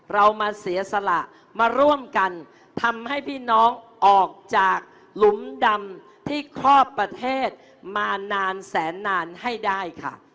เรามาเสียสละมาร่วมกันทำให้พี่น้องออกจากหลุมดำที่ครอบประเทศมานานแสนนานให้ได้ค่ะ